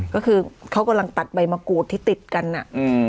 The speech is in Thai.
ก็คือเขากำลังตัดใบมะกรูดที่ติดกันอ่ะ